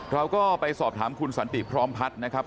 เราก็ไปสอบถามคุณสันติพร้อมพัฒน์นะครับ